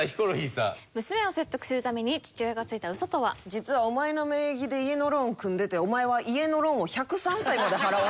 実はお前の名義で家のローン組んでてお前は家のローンを１０３歳まで払わなアカン。